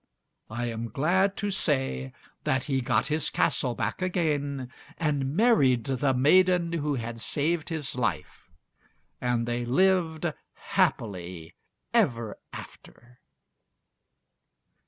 I am glad to say that he got his castle back again and married the maiden who had saved his life, and they lived happily ever after.